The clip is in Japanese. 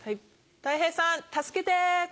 たい平さん助けて！